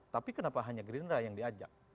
tapi kenapa hanya gerindra yang diajak